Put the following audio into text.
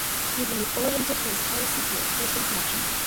He reoriented his policy towards boosting production.